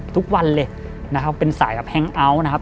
ทุกวันเลยเป็นสายครับแฮงค์อัลต์นะครับ